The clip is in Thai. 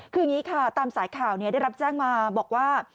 คืออย่างนี้ค่ะตามสายข่าวได้รับแจ้งมาบอกว่า